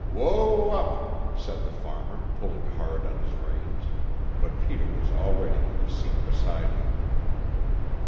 "Whoa up!" said the farmer, pulling hard on his reins, but Peter was already on the seat beside him.